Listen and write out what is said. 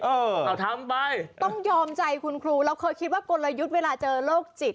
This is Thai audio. เราทำไปต้องยอมใจคุณครูเราเคยคิดว่ากลยุทธ์เวลาเจอโรคจิต